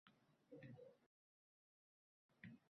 — Nihoyat o’zingizni uchratdim. – Pichirladi yana.